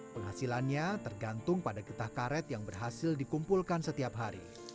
penghasilannya tergantung pada getah karet yang berhasil dikumpulkan setiap hari